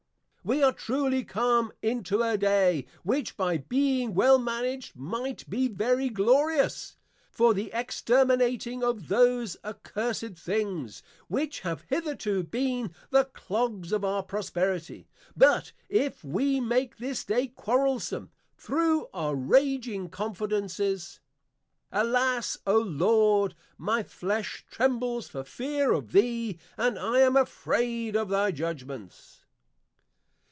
_ We are truly come into a day, which by being well managed might be very Glorious, for the exterminating of those Accursed things, which have hitherto been the Clogs of our Prosperity; but if we make this day Quarrelsome, thro' any Raging Confidences, Alas, O Lord, _my Flesh Trembles for Fear of thee, and I am afraid of thy Judgments.